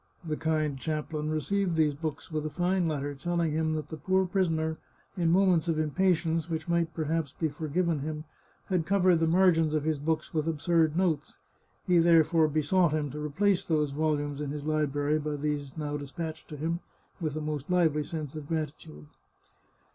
The kind chaplain received these books, with a fine letter telling him that the poor pris oner, in moments of impatience which might perhaps be forgiven him, had covered the margins of his books with absurd notes. He therefore besought him to replace those volumes in his library by these now despatched to him, with a most lively sense of gratitude.